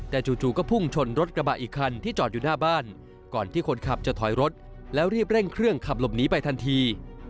แต่จู่ก็พุ่งชนรถกระบะอีกคันที่จอดอยู่หน้าบ้านก่อนที่คนขับจะถอยรถแล้วรีบเร่งเครื่องขับหลบหนีไปทันที